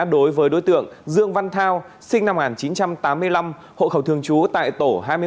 đối với đối tượng dương văn thao sinh năm một nghìn chín trăm tám mươi năm hộ khẩu thường trú tại tổ hai mươi một